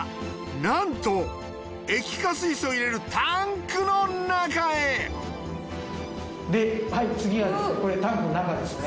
なんと液化水素を入れるタンクの中へはい次はこれタンクの中ですね。